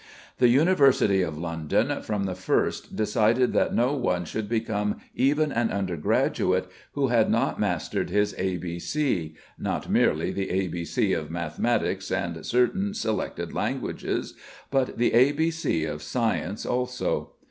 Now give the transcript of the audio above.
The University of London from the first decided that no one should become even an undergraduate who had not mastered his A B C, not merely the A B C of mathematics and certain selected languages, but the A B C of science also.